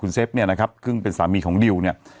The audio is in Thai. เซฟเนี่ยนะครับซึ่งเป็นสามีของดิวเนี่ย